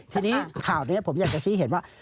ทีนี้ข่าวนี้ผมอยากจะชี้เห็นว่า